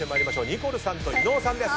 ニコルさんと伊野尾さんです。